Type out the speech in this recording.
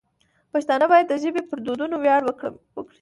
پښتانه باید د ژبې پر دودونو ویاړ وکړي.